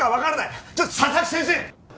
ちょっと佐々木先生！